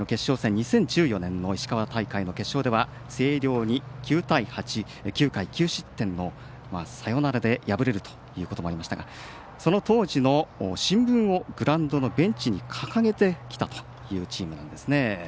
２０１４年の石川大会の決勝では星稜に９対８９回９失点のサヨナラで敗れることがありましたがその当時の新聞をグラウンドのベンチに掲げてきたというチームなんですね。